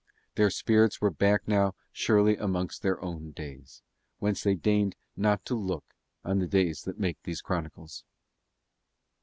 Their spirits were back now surely amongst their own days, whence they deigned not to look on the days that make these chronicles.